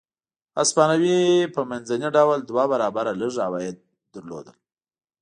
هسپانوي په منځني ډول دوه برابره لږ عواید لرل.